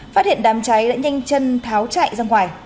phát hiện đám cháy đã nhanh chân tháo chạy ra ngoài